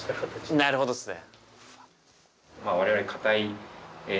なるほどですね。